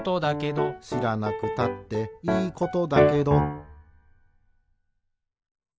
「しらなくたっていいことだけど」